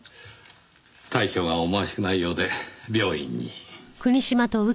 体調が思わしくないようで病院に。